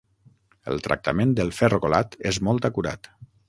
El tractament del ferro colat és molt acurat.